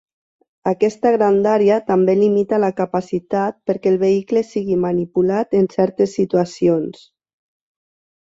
Aquesta grandària també limita la capacitat perquè el vehicle sigui manipulat en certes situacions.